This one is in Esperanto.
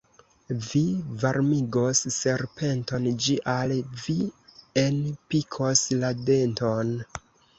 Vi varmigos serpenton, ĝi al vi enpikos la denton.